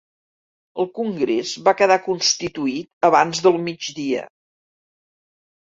El congrés va quedar constituït abans del migdia